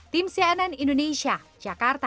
tim cnn indonesia jakarta